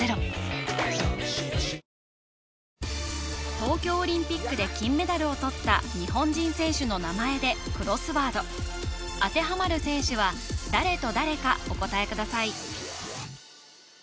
東京オリンピックで金メダルをとった日本人選手の名前でクロスワード当てはまる選手は誰と誰かお答えください